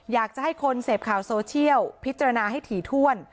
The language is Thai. อยากจะให้คนเสพข่าวโซเชียลพิจารณาให้ถี่ถ้วน